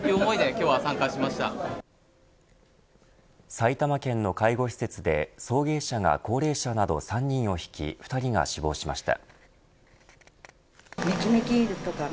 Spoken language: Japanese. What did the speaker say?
埼玉県の介護施設で送迎車が高齢者など３人をひき２人が死亡しました。